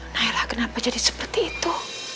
nah kenapa jadi seperti itu